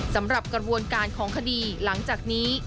สำหรับกระบวนการของคดีหลังจากนี้